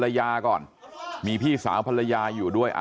ชาวบ้านในพื้นที่บอกว่าปกติผู้ตายเขาก็อยู่กับสามีแล้วก็ลูกสองคนนะฮะ